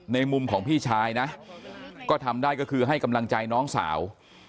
มุมของพี่ชายนะก็ทำได้ก็คือให้กำลังใจน้องสาว